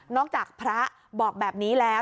จากพระบอกแบบนี้แล้ว